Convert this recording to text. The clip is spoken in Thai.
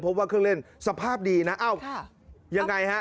ว่าเครื่องเล่นสภาพดีนะเอ้ายังไงฮะ